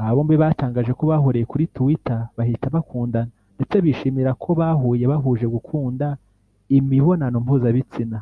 Aba bombi batangaje ko bahuriye kuri Twitter bahita bakundana ndetse bishimira ko bahuye bahuje gukunda imibonano mpuzabitsina